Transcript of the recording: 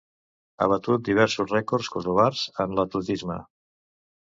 Ha batut diversos rècords kosovars en l'atletisme.